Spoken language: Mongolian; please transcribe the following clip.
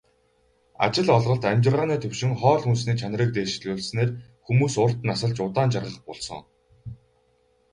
Ажил олголт, амьжиргааны түвшин, хоол хүнсний чанарыг дээшлүүлснээр хүмүүс урт насалж, удаан жаргах болсон.